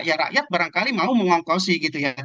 ya rakyat barangkali mau mengongkosi gitu ya